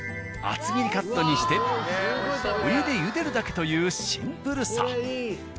厚切りカットにしてお湯でゆでるだけというシンプルさ。